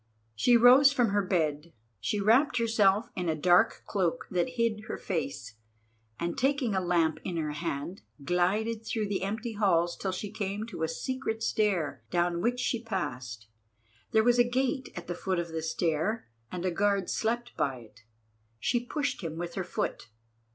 She rose from her bed, she wrapped herself in a dark cloak that hid her face, and taking a lamp in her hand, glided through the empty halls till she came to a secret stair down which she passed. There was a gate at the foot of the stair, and a guard slept by it. She pushed him with her foot.